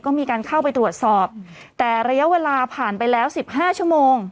ก็มีการเข้าไปตรวจสอบแต่ระยะเวลาผ่านไปแล้วสิบห้าชั่วโมง